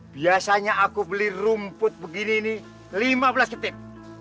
biasanya aku beli rumput begini ini lima belas detik